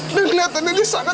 dan kelihatannya disantik